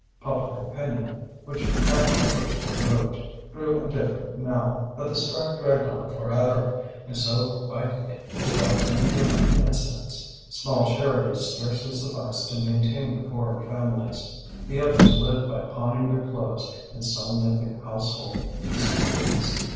Public opinion, which had at first been moved, grew indifferent now that the strike dragged on for ever, and so quietly, without any dramatic incidents. Small charities scarcely sufficed to maintain the poorer families. The others lived by pawning their clothes and selling up the household piece by piece.